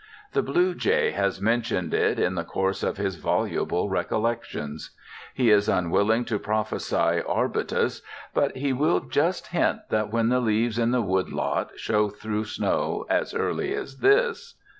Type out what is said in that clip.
The blue jay has mentioned it in the course of his voluble recollections. He is unwilling to prophesy arbutus, but he will just hint that when the leaves in the wood lot show through snow as early as this....